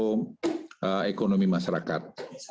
kondisi sosioekonomi masyarakat